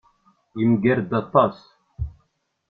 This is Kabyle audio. Yemgarad aṭas.